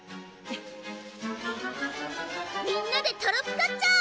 みんなでトロピカっちゃおう！